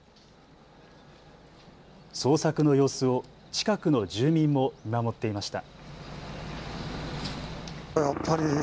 捜索の様子を近くの住民も見守っていました。